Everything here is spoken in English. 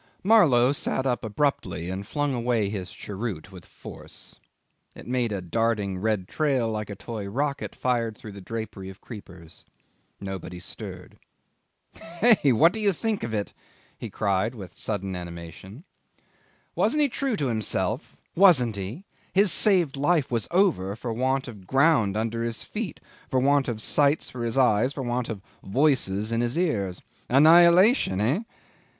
Marlow sat up abruptly and flung away his cheroot with force. It made a darting red trail like a toy rocket fired through the drapery of creepers. Nobody stirred. 'Hey, what do you think of it?' he cried with sudden animation. 'Wasn't he true to himself, wasn't he? His saved life was over for want of ground under his feet, for want of sights for his eyes, for want of voices in his ears. Annihilation hey!